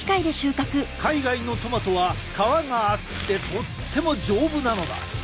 海外のトマトは皮が厚くてとっても丈夫なのだ。